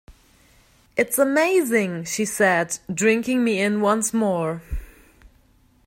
'It's amazing' she said, drinking me in once more.